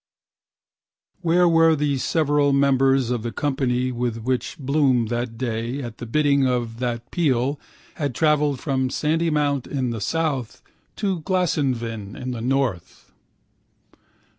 Where were the several members of the company which with Bloom that day at the bidding of that peal had travelled from Sandymount in the south to Glasnevin in the north?